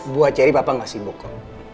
buat jerry papa gak sibuk kok